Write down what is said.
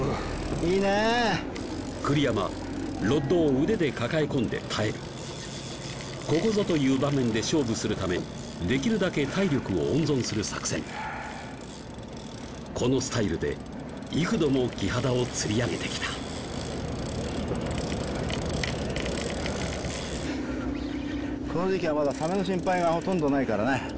いいね栗山ロッドを腕で抱え込んで耐えるここぞという場面で勝負するためできるだけ体力を温存する作戦このスタイルで幾度もキハダを釣り上げてきたこの時期はまだサメの心配がほとんどないからね